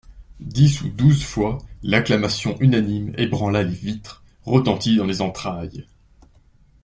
Dix ou douze fois, l'acclamation unanime ébranla les vitres, retentit dans les entrailles.